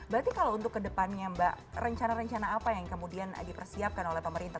berarti kalau untuk kedepannya mbak rencana rencana apa yang kemudian dipersiapkan oleh pemerintah